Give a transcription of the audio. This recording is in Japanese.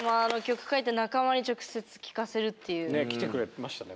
すてき！ねえ来てくれてましたね。